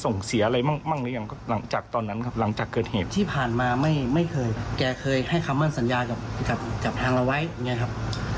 น่าจะช่วยเหลือได้นะครับ